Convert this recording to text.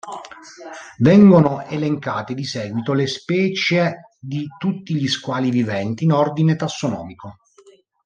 Vengono elencate di seguito le specie di tutti gli squali viventi in ordine tassonomico.